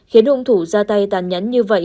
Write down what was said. khiến khung thủ ra tay tàn nhẫn như vậy